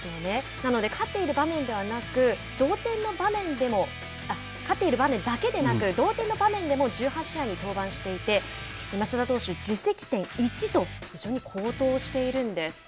なので勝っている場面ではなく同点の場面でも勝っている場面だけでなく同点の場面でも１８試合に登板していて益田投手、自責点１と非常に好投しているんです。